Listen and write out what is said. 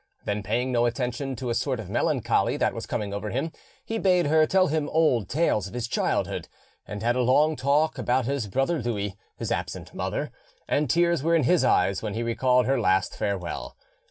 Then, paying no attention to a sort of melancholy that was coming over him, he bade her tell him old tales of his childhood, and had a long talk about his brother Louis, his absent mother, and tears were in his eyes when he recalled her last farewell.